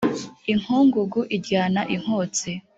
Inkungugu iryana i Nkotsi